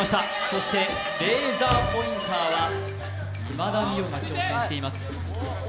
そしてレーザーポインターは今田美桜が挑戦しています。